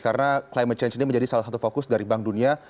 karena climate change ini menjadi salah satu fokus dari bank dunia